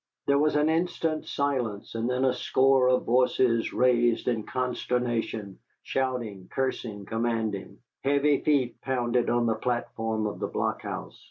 There was an instant's silence, and then a score of voices raised in consternation, shouting, cursing, commanding. Heavy feet pounded on the platform of the blockhouse.